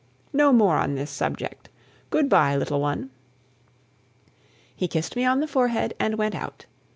No more on this subject. Good bye, little one." He kissed me on the forehead and went out.